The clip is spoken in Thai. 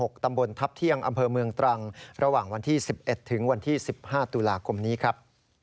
กำเภอเมืองตรังระหว่างวันที่๑๑ถึงวันที่๑๕ตุลาคมนี้ครับ